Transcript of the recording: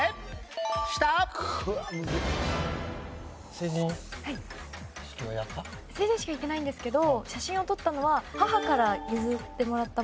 成人式は行ってないんですけど写真を撮ったのは母から譲ってもらったもの。